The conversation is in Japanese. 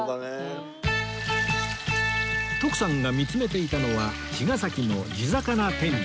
徳さんが見つめていたのは茅ヶ崎の地魚天重